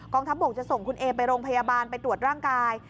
ทัพบกจะส่งคุณเอไปโรงพยาบาลไปตรวจร่างกาย